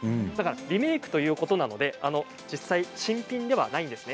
リメークということなので実際、新品ではないんですね。